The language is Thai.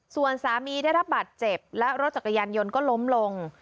ส่วนสามีได้รับบาดเจ็บและรถจักรยานยนต์ก็ล้มลง